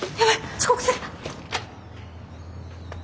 遅刻する！